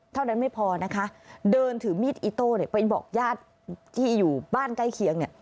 เท่านั้นไม่พอนะคะเดินถือมีดอิโต้เนี่ยไปบอกญาติที่อยู่บ้านใกล้เคียงเนี่ย